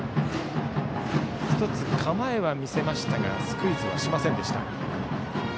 １つ構えは見せましたがスクイズはしませんでした。